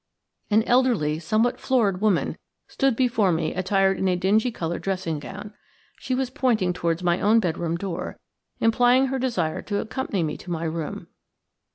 An elderly, somewhat florid, woman stood before me attired in a dingy coloured dressing gown. She was pointing towards my own bedroom door, implying her desire to accompany me to my room.